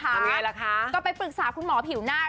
ทำยังไงล่ะคะก็ไปปรึกษาคุณหมอผิวหน้า